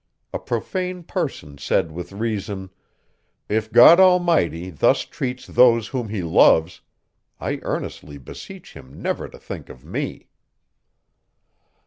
A profane person said with reason If God Almighty thus treats those whom he loves, I earnestly beseech him never to think of me.